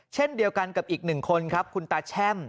เช่นเดียวกันกับอีกหนึ่งคนครับคุณตาแช่ม